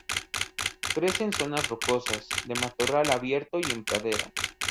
Crece en zonas rocosas, de matorral abierto y en praderas.